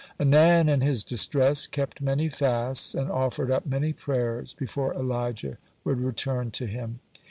Anan in his distress kept many fasts, and offered up many prayers, before Elijah would return to him.